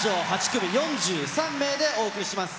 ８組４３名でお送りします。